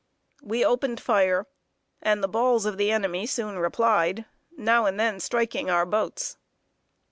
We opened fire, and the balls of the enemy soon replied, now and then striking our boats.